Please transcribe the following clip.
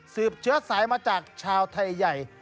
เชื้อสายมาจากชาวไทยใหญ่